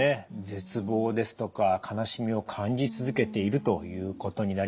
絶望ですとか悲しみを感じ続けているということになります。